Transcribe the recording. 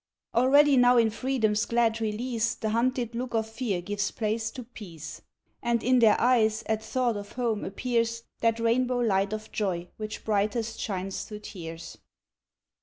Already now in freedom's glad release The hunted look of fear gives place to peace, And in their eyes at thought of home appears That rainbow light of joy which brightest shines through tears.